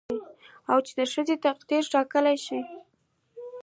او د ښځې تقدير ټاکلى شي